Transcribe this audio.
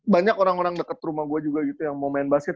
banyak orang orang dekat rumah gue juga gitu yang mau main basket